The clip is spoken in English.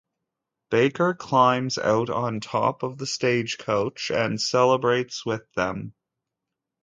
Baker climbs out on top of the stagecoach and celebrates with them.